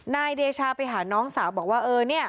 นายเดชาไปหาน้องสาวบอกว่า